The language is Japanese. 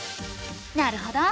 なるほど。